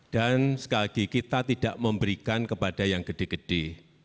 dan sekali lagi kita tidak memberikan kepada yang gede gede